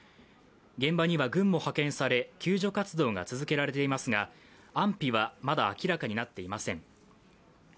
現場には軍も派遣され救助活動が続けられていますが安否はまだ明らかになっていません。